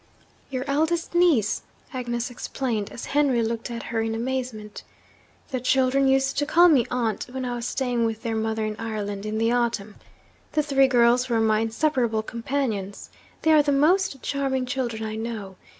'Your eldest niece,' Agnes explained, as Henry looked at her in amazement. 'The children used to call me aunt when I was staying with their mother in Ireland, in the autumn. The three girls were my inseparable companions they are the most charming children I know.